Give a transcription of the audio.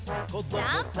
ジャンプ！